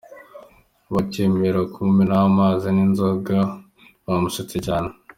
Bakimara kumumenaho amazi n'inzoga bamusetse cyane.